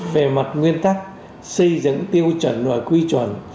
về mặt nguyên tắc xây dựng tiêu chuẩn và quy chuẩn